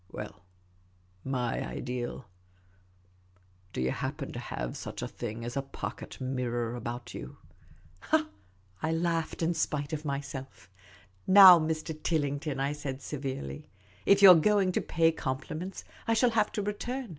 " Well, my ideal — do you happen to have such a thing as a pocket mirror about you ?'' I laughed in spite of myself. " Now, Mr. TilHngton," I said severely, " if you 're going to pay compliments, I shall have to return.